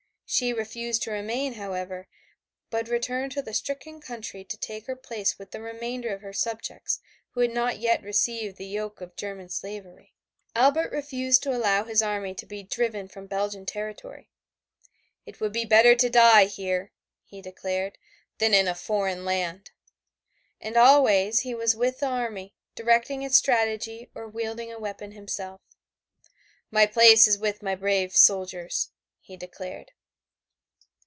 She refused to remain, however, but returned to the stricken country to take her place with the remainder of her subjects who had not yet received the yoke of German slavery. Albert refused to allow his army to be driven from Belgian territory. "It would be better to die here," he declared, "than in a foreign land." And always he was with the army, directing its strategy or wielding a weapon himself. "My place is with my brave soldiers," he declared.